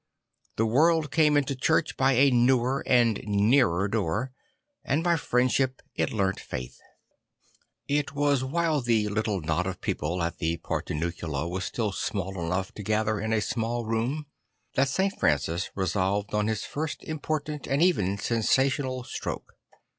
The world came into church by a newer and nearer door; and by friendship it learnt faith. It was while the little knot of people at the Portiuncula was still small enough to gather in a small room that St. Francis resolved on his first important and even sensational stroke.